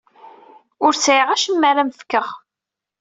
Ur sɛiɣ acemma ara am-fkeɣ.